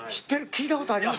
聞いた事あります？